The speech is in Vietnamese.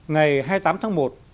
ngày hai mươi tám tháng một